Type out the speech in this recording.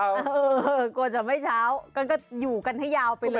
เออกลัวจะไม่เช้ากันก็อยู่กันให้ยาวไปเลย